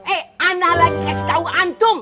eh anak lagi kasih tau antum